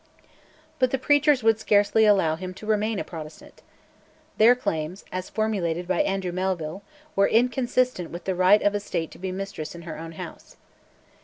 But the preachers would scarcely allow him to remain a Protestant. Their claims, as formulated by Andrew Melville, were inconsistent with the right of the State to be mistress in her own house.